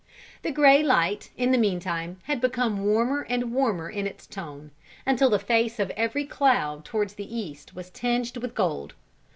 The grey light, in the meantime, had become warmer and warmer in its tone, until the face of every cloud towards the east was tinged with gold.